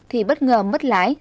thì bất ngờ mất lái